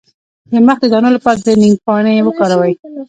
د مخ د دانو لپاره د نیم پاڼې وکاروئ